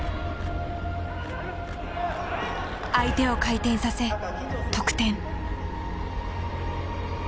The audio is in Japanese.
相手を回転させ得点。